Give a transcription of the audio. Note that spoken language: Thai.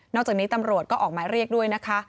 จากนี้ตำรวจก็ออกหมายเรียกด้วยนะคะ